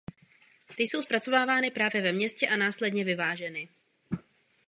Ty jsou zpracovávány právě ve městě a následně vyváženy.